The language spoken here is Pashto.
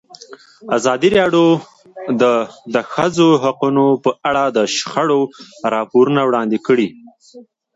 ازادي راډیو د د ښځو حقونه په اړه د شخړو راپورونه وړاندې کړي.